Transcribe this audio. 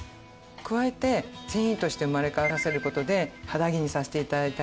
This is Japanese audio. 加えて繊維として生まれ変わらせる事で肌着にさせて頂いたり。